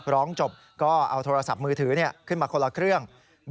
ร้องจบก็เอาโทรศัพท์มือถือขึ้นมาคนละเครื่อง